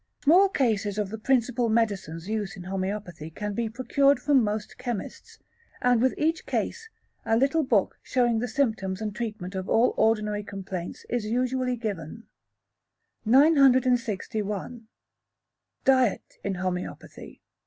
Small cases of the principal medicines used in homoeopathy can be procured from most chemists, and with each case a little book showing the symptoms and treatment of all ordinary complaints is usually given. 961. Diet in Homoeopathy.